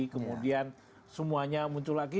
kemudian semuanya muncul lagi